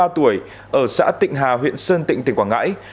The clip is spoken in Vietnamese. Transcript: năm mươi ba tuổi ở xã tịnh hà huyện sơn tịnh tỉnh quảng ngãi